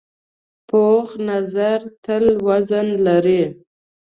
پوخ نظر تل وزن لري